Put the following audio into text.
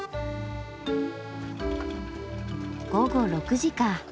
午後６時か。